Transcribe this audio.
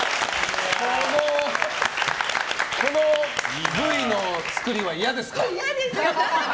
このＶの作りは嫌ですか？